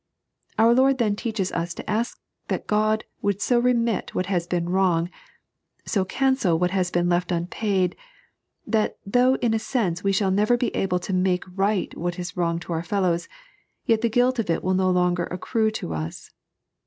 Our Lord then teaches us to ask that Qod would so remit what has been wrong, so cancel what has been left unpaid, that though in a sense we shall never be able to make right what is wrong to our fellows, yet the guilt of it wilt no longer accrue to us.